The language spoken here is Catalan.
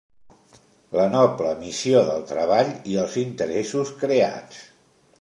La Noble Missió del Treball i els Interessos Creats